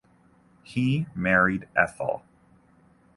He married Ethel.